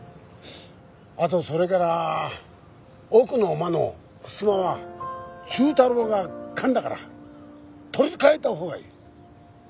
あとそれから奥の間のふすまは忠太郎が噛んだから取り換えたほうがいい。